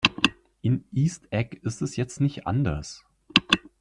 In East Egg ist es jetzt nicht anders.